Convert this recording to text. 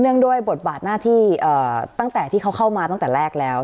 ด้วยบทบาทหน้าที่ตั้งแต่ที่เขาเข้ามาตั้งแต่แรกแล้ว